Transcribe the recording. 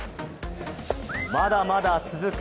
まだまだ続く